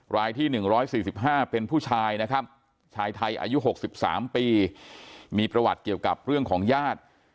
รายที่๑๔๕เป็นผู้ชายนะครับชายไทยอายุ๖๓ปีมีประวัติเกี่ยวกับเรื่องของญาติ